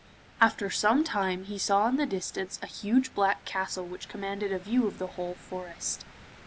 After some time he saw in the distance a huge black castle which commanded a view of the whole forest.